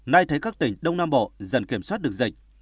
nay thấy các tỉnh đông nam bộ dần kiểm soát được dịch